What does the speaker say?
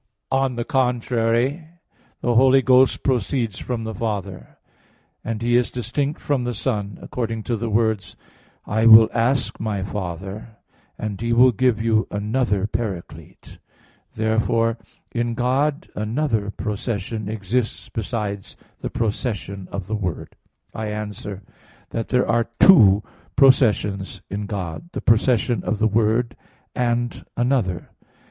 On the contrary, The Holy Ghost proceeds from the Father (John 15:26); and He is distinct from the Son, according to the words, "I will ask My Father, and He will give you another Paraclete" (John 14:16). Therefore in God another procession exists besides the procession of the Word. I answer that, There are two processions in God; the procession of the Word, and another.